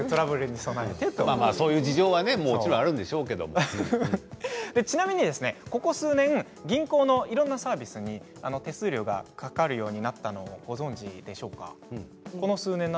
そういう事情はちなみに、この数年銀行のいろいろなサービスに手数料がかかるようになったのをご存じでしょうか？